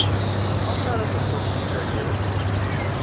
Maɣef ara tersed seg usakal?